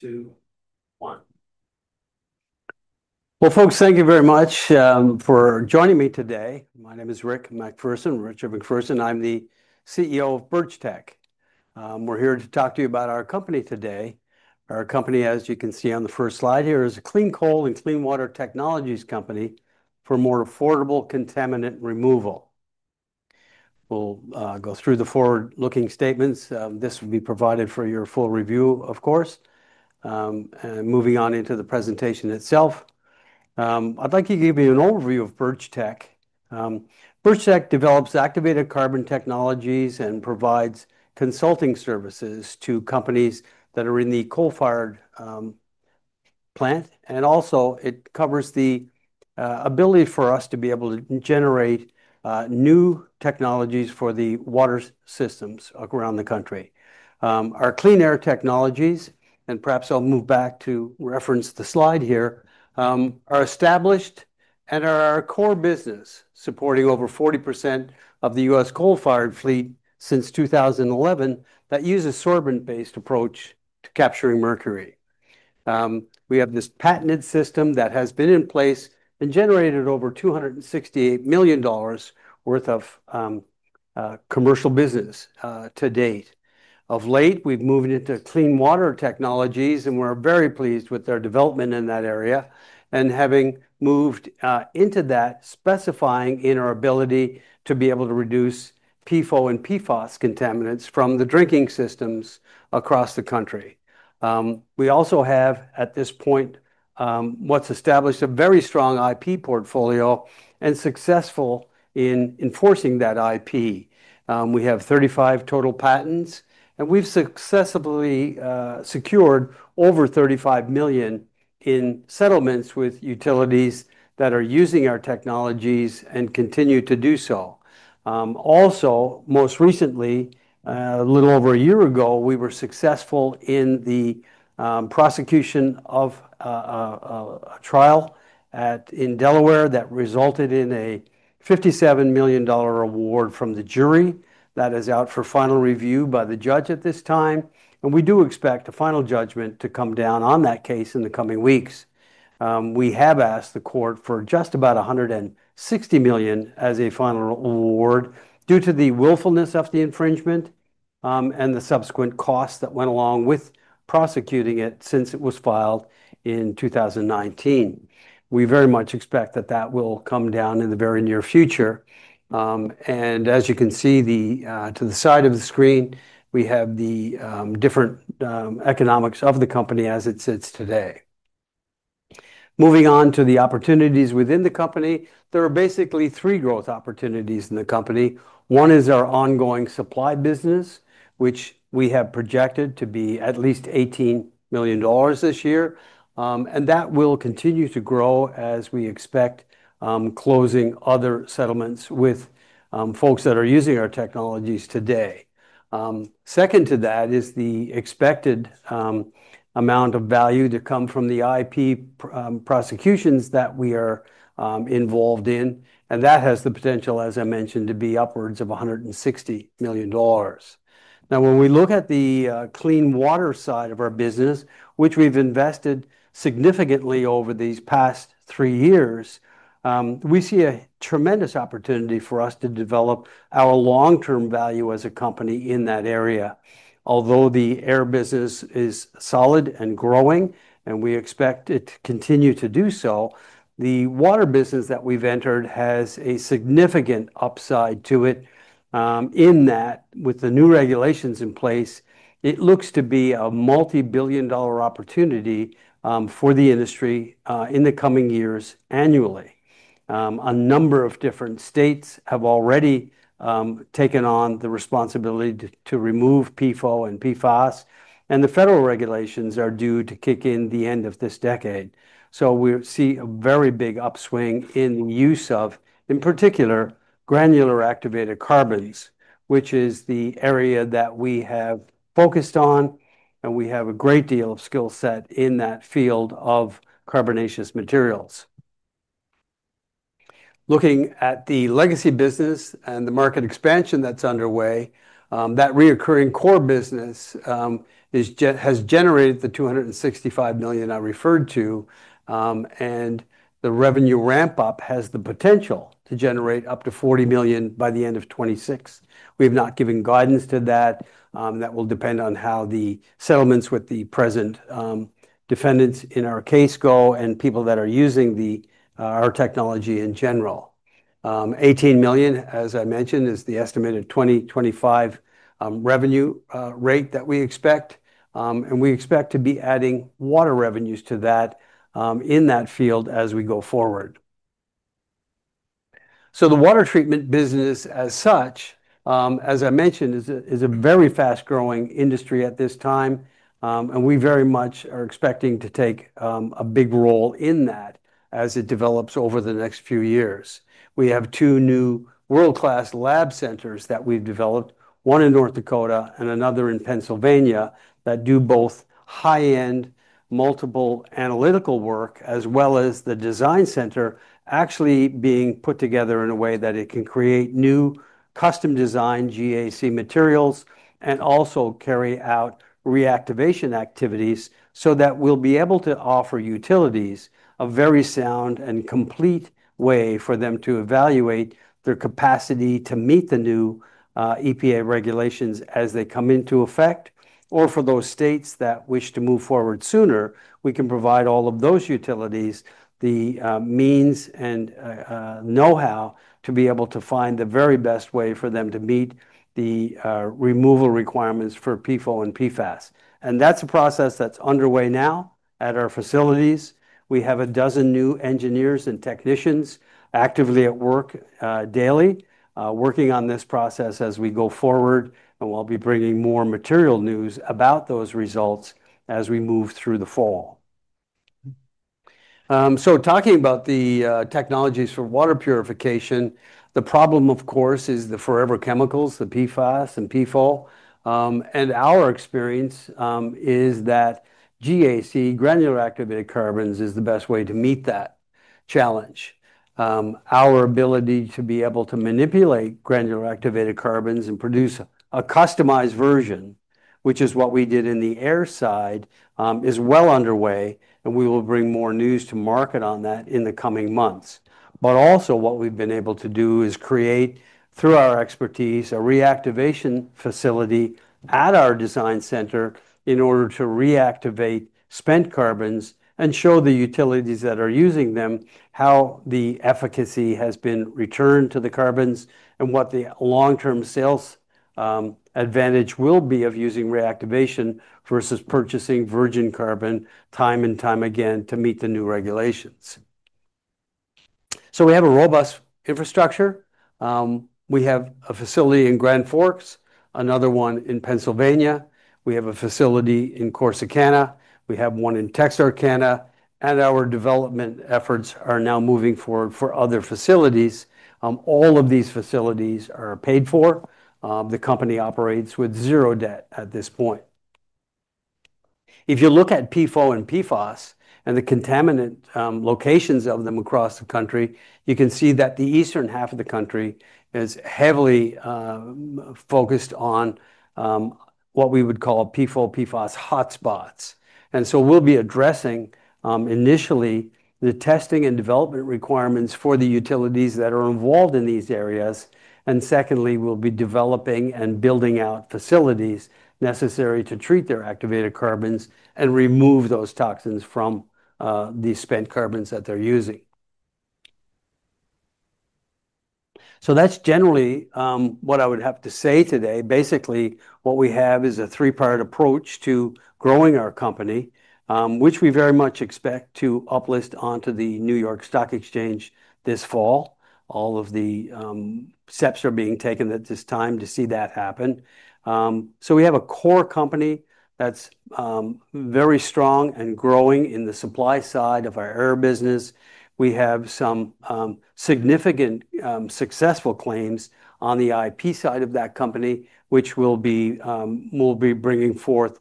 Thank you very much for joining me today. My name is Rick MacPherson, Richard MacPherson. I'm the CEO of Birchtech. We're here to talk to you about our company today. Our company, as you can see on the first slide here, is a clean coal and clean water technologies company for more affordable contaminant removal. We'll go through the forward-looking statements. This will be provided for your full review, of course. Moving on into the presentation itself, I'd like to give you an overview of Birchtech. Birchtech develops activated carbon technologies and provides consulting services to companies that are in the coal-fired plant. It also covers the ability for us to be able to generate new technologies for the water systems around the country. Our clean air technologies, and perhaps I'll move back to reference the slide here, are established and are our core business, supporting over 40% of the U.S. coal-fired fleet since 2011 that uses sorbent-based approach to capturing mercury. We have this patented system that has been in place and generated over $268 million worth of commercial business to date. Of late, we've moved into clean water technologies, and we're very pleased with their development in that area and having moved into that, specifying in our ability to be able to reduce PFOA and PFOS contaminants from the drinking systems across the country. We also have, at this point, what's established a very strong IP portfolio and successful in enforcing that IP. We have 35 total patents, and we've successfully secured over $35 million in settlements with utilities that are using our technologies and continue to do so. Also, most recently, a little over a year ago, we were successful in the prosecution of a trial in Delaware that resulted in a $57 million award from the jury. That is out for final review by the judge at this time. We do expect a final judgment to come down on that case in the coming weeks. We have asked the court for just about $160 million as a final award due to the willfulness of the infringement and the subsequent costs that went along with prosecuting it since it was filed in 2019. We very much expect that that will come down in the very near future. As you can see, to the side of the screen, we have the different economics of the company as it sits today. Moving on to the opportunities within the company, there are basically three growth opportunities in the company. One is our ongoing supply business, which we have projected to be at least $18 million this year. That will continue to grow as we expect closing other settlements with folks that are using our technologies today. Second to that is the expected amount of value to come from the IP prosecutions that we are involved in. That has the potential, as I mentioned, to be upwards of $160 million. Now, when we look at the clean water side of our business, which we've invested significantly over these past three years, we see a tremendous opportunity for us to develop our long-term value as a company in that area. Although the air business is solid and growing, and we expect it to continue to do so, the water business that we've entered has a significant upside to it. With the new regulations in place, it looks to be a multi-billion dollar opportunity for the industry in the coming years annually. A number of different states have already taken on the responsibility to remove PFOA and PFOS, and the federal regulations are due to kick in at the end of this decade. We see a very big upswing in the use of, in particular, granular activated carbon, which is the area that we have focused on. We have a great deal of skill set in that field of carbonaceous materials. Looking at the legacy business and the market expansion that's underway, that reoccurring core business has generated the $265 million I referred to. The revenue ramp-up has the potential to generate up to $40 million by the end of 2026. We have not given guidance to that. That will depend on how the settlements with the present defendants in our case go and people that are using our technology in general. $18 million, as I mentioned, is the estimated 2025 revenue rate that we expect. We expect to be adding water revenues to that in that field as we go forward. The water treatment business as such, as I mentioned, is a very fast-growing industry at this time. We very much are expecting to take a big role in that as it develops over the next few years. We have two new world-class lab centers that we've developed, one in North Dakota and another in Pennsylvania, that do both high-end multiple analytical work, as well as the design center actually being put together in a way that it can create new custom-designed GAC materials and also carry out reactivation activities so that we'll be able to offer utilities a very sound and complete way for them to evaluate their capacity to meet the new EPA regulations as they come into effect. For those states that wish to move forward sooner, we can provide all of those utilities the means and know-how to be able to find the very best way for them to meet the removal requirements for PFOA and PFOS. That's a process that's underway now at our facilities. We have a dozen new engineers and technicians actively at work daily, working on this process as we go forward. We'll be bringing more material news about those results as we move through the fall. Talking about the technologies for water purification, the problem, of course, is the forever chemicals, the PFOS and PFOA. Our experience is that GAC, granular activated carbon, is the best way to meet that challenge. Our ability to be able to manipulate granular activated carbon and produce a customized version, which is what we did in the air side, is well underway. We will bring more news to market on that in the coming months. What we've been able to do is create, through our expertise, a reactivation facility at our design center in order to reactivate spent carbons and show the utilities that are using them how the efficacy has been returned to the carbons and what the long-term sales advantage will be of using reactivation versus purchasing virgin carbon time and time again to meet the new regulations. We have a robust infrastructure. We have a facility in Grand Forks, another one in Pennsylvania. We have a facility in Corsicana. We have one in Texarkana. Our development efforts are now moving forward for other facilities. All of these facilities are paid for. The company operates with zero debt at this point. If you look at PFOA and PFOS and the contaminant locations of them across the country, you can see that the eastern half of the country is heavily focused on what we would call PFOA/PFOS hotspots. We'll be addressing, initially, the testing and development requirements for the utilities that are involved in these areas. Secondly, we'll be developing and building out facilities necessary to treat their activated carbons and remove those toxins from the spent carbons that they're using. That's generally what I would have to say today. Basically, what we have is a three-part approach to growing our company, which we very much expect to uplist onto the New York Stock Exchange this fall. All of the steps are being taken at this time to see that happen. We have a core company that's very strong and growing in the supply side of our air business. We have some significant successful claims on the IP side of that company, which we'll be bringing forth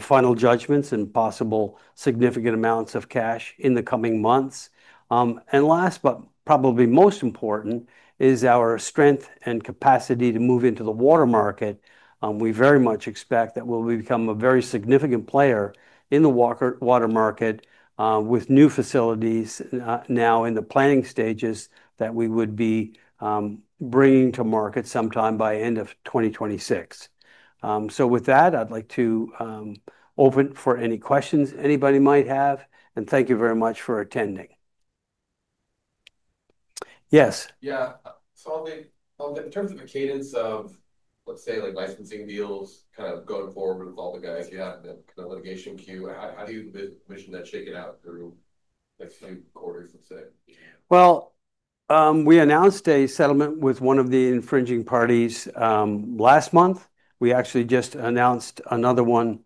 final judgments and possible significant amounts of cash in the coming months. Last, but probably most important, is our strength and capacity to move into the water market. We very much expect that we'll become a very significant player in the water market with new facilities now in the planning stages that we would be bringing to market sometime by the end of 2026. With that, I'd like to open for any questions anybody might have. Thank you very much for attending. Yes. In terms of the cadence of, let's say, like licensing deals, kind of going forward with all the guys you have in the litigation queue, how do you envision that shaking out through? We announced a settlement with one of the infringing parties last month. We actually just announced another one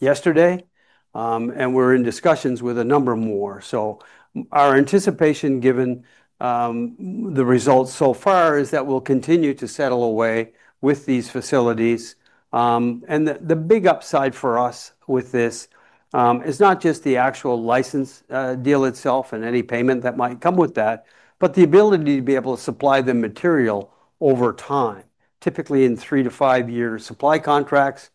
yesterday. We are in discussions with a number more. Our anticipation, given the results so far, is that we will continue to settle away with these facilities. The big upside for us with this is not just the actual license deal itself and any payment that might come with that, but the ability to be able to supply the material over time. Typically, in three to five-year supply contracts,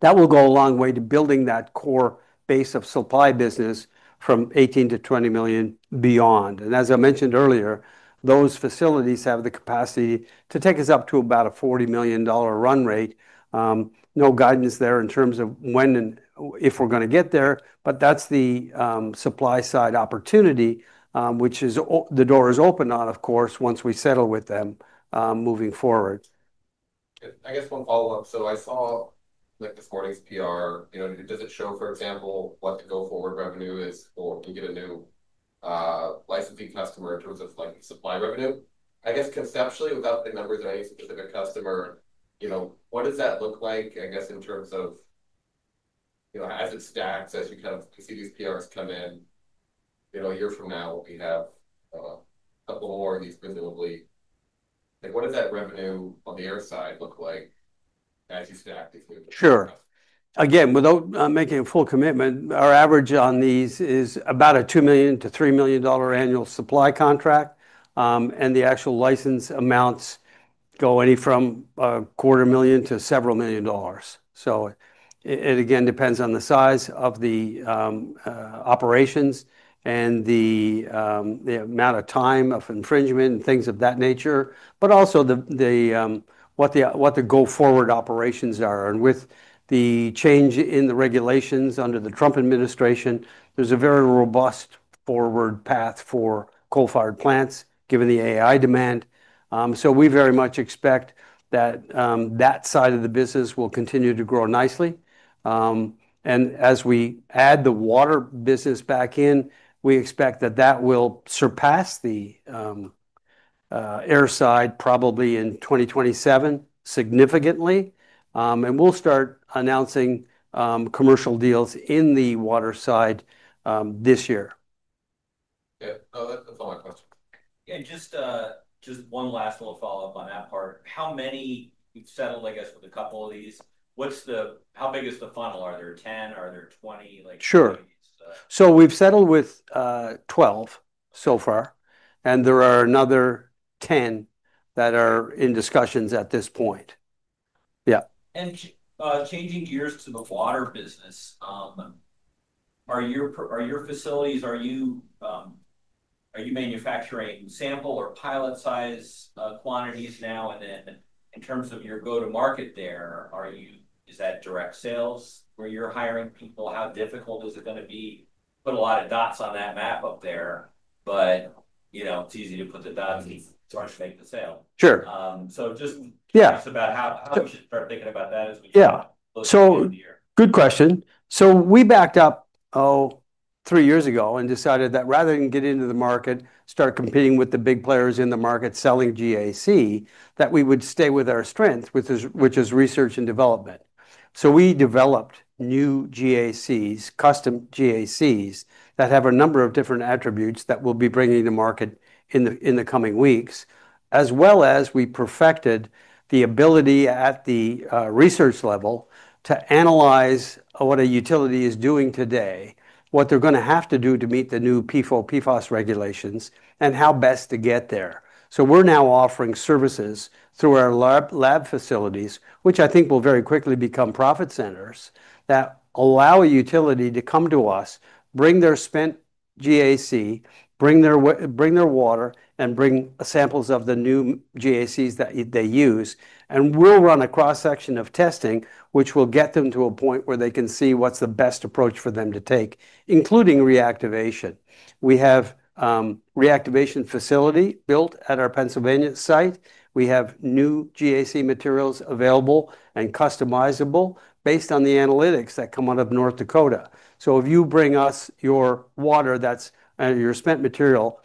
that will go a long way to building that core base of supply business from $18 million to $20 million beyond. As I mentioned earlier, those facilities have the capacity to take us up to about a $40 million run rate. There is no guidance there in terms of when and if we are going to get there. That is the supply side opportunity, which the door is open on, of course, once we settle with them moving forward. I guess one follow-up. I saw with this morning's PR, does it show, for example, what the go-forward revenue is for if we get a new licensing customer in terms of supply revenue? Conceptually, without the numbers that I used to put in a customer, what does that look like in terms of as it stacks, as we kind of continue these PRs come in? A year from now, if we have a couple more of these visibly, what does that revenue on the air side look like as you stack? Sure. Again, without making a full commitment, our average on these is about a $2 million to $3 million annual supply contract. The actual license amounts go anywhere from a quarter million to several million dollars. It depends on the size of the operations and the amount of time of infringement and things of that nature, but also what the go-forward operations are. With the change in the regulations under the Trump administration, there's a very robust forward path for coal-fired plants, given the AI demand. We very much expect that that side of the business will continue to grow nicely. As we add the water business back in, we expect that that will surpass the air side probably in 2027 significantly. We'll start announcing commercial deals in the water side this year. Yeah, no, that's all my questions. Yeah, just one last little follow-up on that part. How many you've settled, I guess, with a couple of these? What's the, how big is the funnel? Are there 10? Are there 20? Sure. We've settled with 12 so far, and there are another 10 that are in discussions at this point. Changing gears to the water business, are your facilities, are you manufacturing sample or pilot-size quantities now? In terms of your go-to-market there, are you, is that direct sales where you're hiring people? How difficult is it going to be? Put a lot of dots on that map up there. You know, it's easy to put the dots and start to make the sale. Sure. Should we start thinking about that as we go forward in the year? Good question. We backed up, oh, three years ago and decided that rather than get into the market, start competing with the big players in the market selling GAC, that we would stay with our strengths, which is research and development. We developed new GACs, custom GACs that have a number of different attributes that we'll be bringing to market in the coming weeks, as well as we perfected the ability at the research level to analyze what a utility is doing today, what they're going to have to do to meet the new PFOA/PFOS regulations, and how best to get there. We're now offering services through our lab facilities, which I think will very quickly become profit centers that allow a utility to come to us, bring their spent GAC, bring their water, and bring samples of the new GACs that they use. We'll run a cross-section of testing, which will get them to a point where they can see what's the best approach for them to take, including reactivation. We have a reactivation facility built at our Pennsylvania site. We have new GAC materials available and customizable based on the analytics that come out of North Dakota. If you bring us your water, that's your spent material,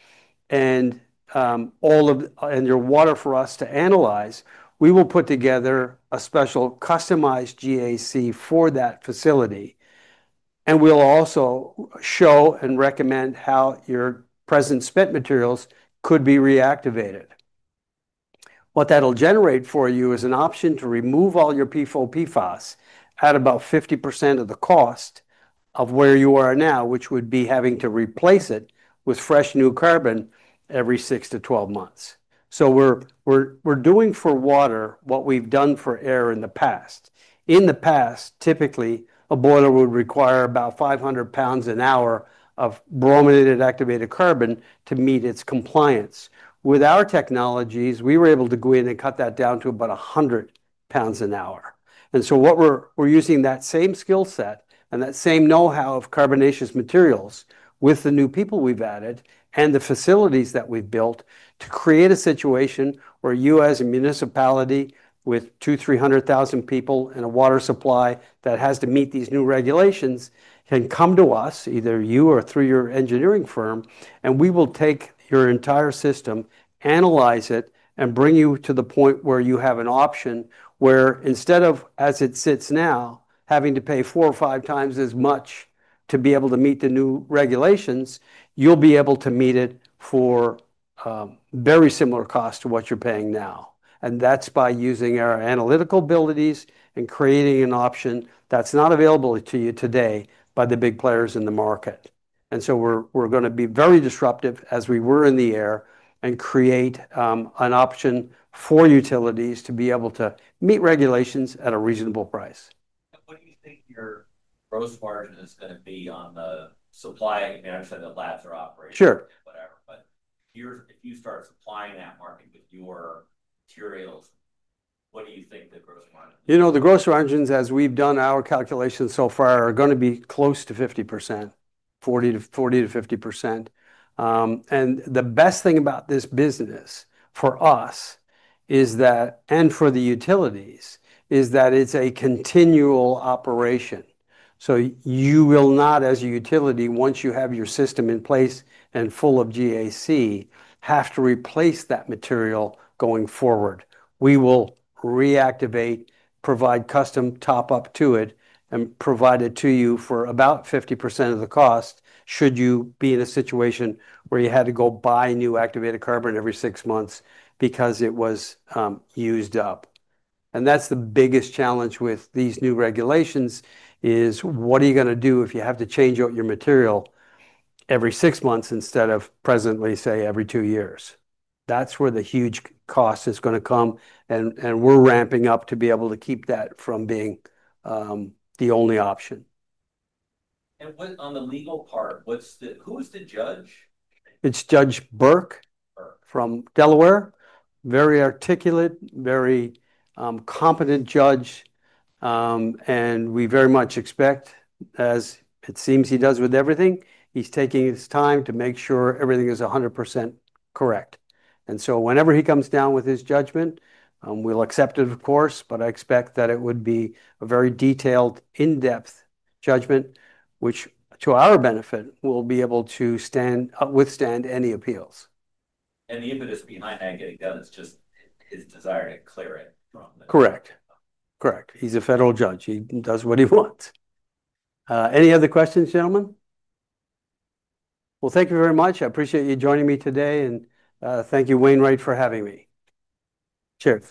and your water for us to analyze, we will put together a special customized GAC for that facility. We'll also show and recommend how your present spent materials could be reactivated. What that'll generate for you is an option to remove all your PFOA/PFOS at about 50% of the cost of where you are now, which would be having to replace it with fresh new carbon every 6 to 12 months. We're doing for water what we've done for air in the past. In the past, typically, a boiler would require about 500 pounds an hour of brominated activated carbon to meet its compliance. With our technologies, we were able to go in and cut that down to about 100 pounds an hour. We are using that same skill set and that same know-how of carbonaceous materials with the new people we've added and the facilities that we've built to create a situation where you as a municipality with 200,000, 300,000 people and a water supply that has to meet these new regulations can come to us, either you or through your engineering firm, and we will take your entire system, analyze it, and bring you to the point where you have an option where instead of, as it sits now, having to pay four or five times as much to be able to meet the new regulations, you'll be able to meet it for a very similar cost to what you're paying now. That is by using our analytical abilities and creating an option that's not available to you today by the big players in the market. We are going to be very disruptive as we were in the air and create an option for utilities to be able to meet regulations at a reasonable price. Your gross margin is going to be on the supply management and labs that are operating, whatever. If you start supplying that market with your materials. You know, the gross margins, as we've done our calculations so far, are going to be close to 50%, 40% to 50%. The best thing about this business for us is that, and for the utilities, is that it's a continual operation. You will not, as a utility, once you have your system in place and full of GAC, have to replace that material going forward. We will reactivate, provide custom top-up to it, and provide it to you for about 50% of the cost should you be in a situation where you had to go buy new activated carbon every six months because it was used up. That's the biggest challenge with these new regulations, what are you going to do if you have to change out your material every six months instead of presently, say, every two years? That's where the huge cost is going to come. We're ramping up to be able to keep that from being the only option. On the legal part, who's the judge? It's Judge Burke from Delaware. Very articulate, very competent judge. We very much expect, as it seems he does with everything, he's taking his time to make sure everything is 100% correct. Whenever he comes down with his judgment, we'll accept it, of course, but I expect that it would be a very detailed, in-depth judgment, which, to our benefit, will be able to withstand any appeals. The impetus behind that getting done is just his desire to clear it. Correct. Correct. He's a federal judge. He does what he wants. Any other questions, gentlemen? Thank you very much. I appreciate you joining me today. Thank you, Wayne Wright, for having me. Cheers.